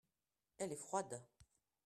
elle est froide.